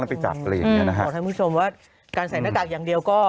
ไปจับอะไรอย่างเงี้นะฮะบอกท่านผู้ชมว่าการใส่หน้ากากอย่างเดียวก็